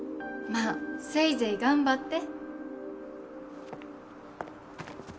まっせいぜい頑張って。